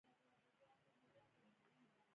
بېنډۍ د وجود داخلي صفا ته ګټه لري